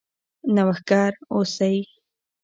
نوښتګر اوسئ.